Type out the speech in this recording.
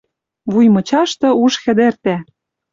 Вуй мычашты уж хӹдӹртӓ